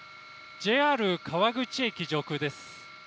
ＪＲ川口駅上空です。